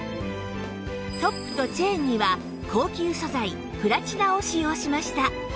トップとチェーンには高級素材プラチナを使用しました